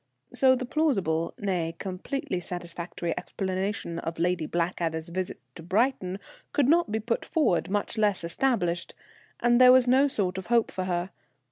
So the plausible, nay, completely satisfactory explanation of Lady Blackadder's visit to Brighton could not be put forward, much less established, and there was no sort of hope for her.